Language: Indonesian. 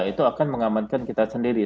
itu akan mengamankan kita sendiri